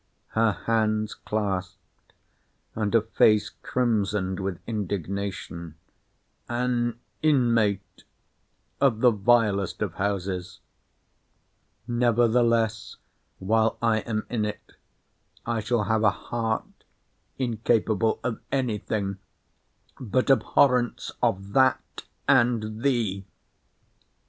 [her hands clasped, and a face crimsoned with indignation,] an inmate of the vilest of houses—nevertheless, while I am in it, I shall have a heart incapable of any thing but abhorrence of that and of thee!